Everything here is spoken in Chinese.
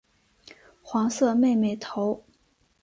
黄色妹妹头。